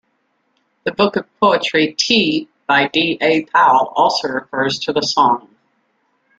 The book of poetry "Tea" by D. A. Powell also refers to the song.